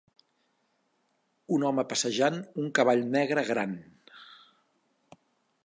Un home passejant un cavall negre gran.